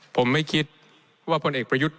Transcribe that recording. ผมไม่คิดว่าพลเอกประยุทธ์